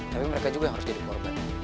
tapi mereka juga yang harus jadi korban